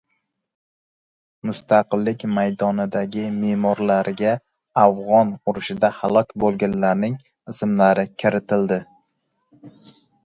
Mustaqillik maydonidagi memorialga afg‘on urushida halok bo‘lganlarning ismlari kiritildi